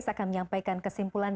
pertanyaan yang akan kita sampaikan